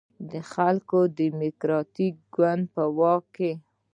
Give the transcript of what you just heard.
د خلکو دیموکراتیک ګوند په واک کې.